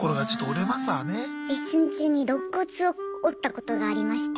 レッスン中にろっ骨を折ったことがありまして。